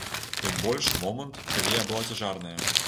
Тым больш у момант, калі я была цяжарная.